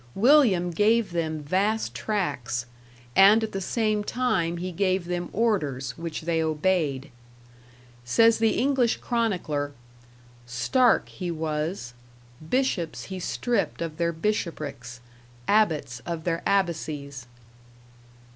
William gave them vast tracts, and at the same time he gave them orders which they obeyed. Says the English chronicler, "Stark he was. Bishops he stripped of their bishopricks, abbots of their abbacies".